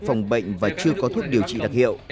phòng bệnh và chưa có thuốc điều trị đặc hiệu